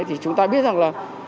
thì chúng ta biết rằng là